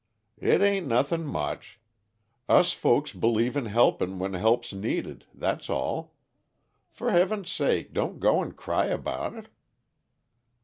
"It ain't nothing much us folks believe in helpin' when help's needed, that's all. For Heaven's sake, don't go 'n' cry about it!"